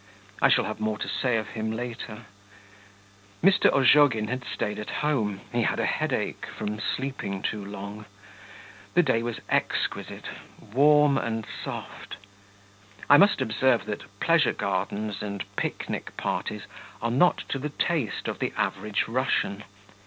I shall have more to say of him later. Mr. Ozhogin had stayed at home; he had a headache, from sleeping too long. The day was exquisite; warm and soft. I must observe that pleasure gardens and picnic parties are not to the taste of the average Russian.